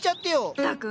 ったく！